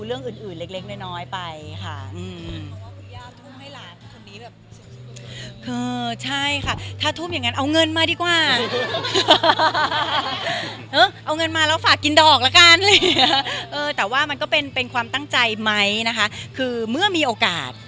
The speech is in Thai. เรื่องหลักสูตรเนี่ยนุ้ยไม่ต้องเข้าไปยุ่งเลยค่ะ